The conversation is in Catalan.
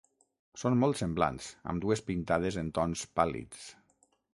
Són molt semblants, ambdues pintades en tons pàl·lids.